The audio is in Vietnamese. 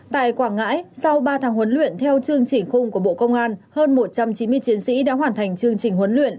tại quảng ngãi sau ba tháng huấn luyện theo chương trình khung của bộ công an hơn một trăm chín mươi chiến sĩ đã hoàn thành chương trình huấn luyện